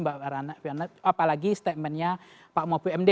apalagi statementnya pak maupi md